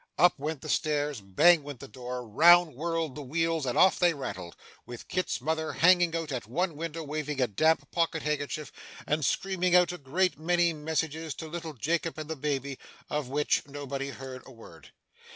Up went the steps, bang went the door, round whirled the wheels, and off they rattled, with Kit's mother hanging out at one window waving a damp pocket handkerchief and screaming out a great many messages to little Jacob and the baby, of which nobody heard a word.